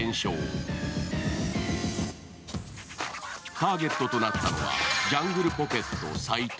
ターゲットとなったのはジャングルポケット斉藤。